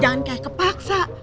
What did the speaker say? jangan kayak kepaksa